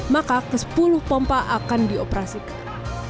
maka ke sepuluh pompa akan dioperasikan